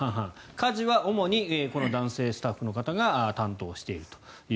家事は主にこの男性スタッフの方が担当していると。